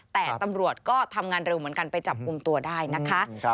แต่ตำรวจก็ทำงานเร็วเหมือนกันไปจับกลุ่มตัวได้นะคะ